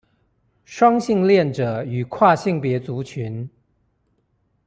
雙性戀者與跨性別族群